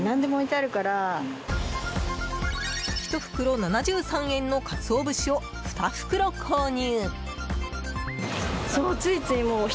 １袋７３円のカツオ節を２袋購入。